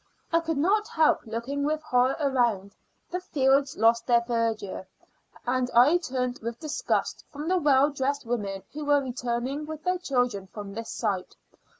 I could not help looking with horror around the fields lost their verdure and I turned with disgust from the well dressed women who were returning with their children from this sight.